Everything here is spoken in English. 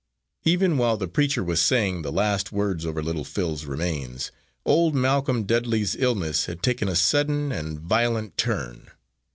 Even while the preacher was saying the last words over little Phil's remains, old Malcolm Dudley's illness had taken a sudden and violent turn.